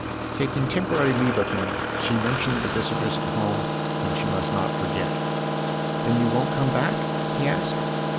Taking temporary leave of him, she mentioned the visitors at home whom she must not forget. " Then you won't come back ?" he asked.